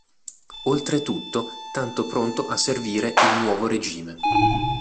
Oltretutto tanto pronto a servire il nuovo regime.